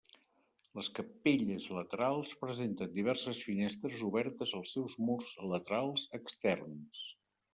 Les capelles laterals presenten diverses finestres obertes als seus murs laterals externs.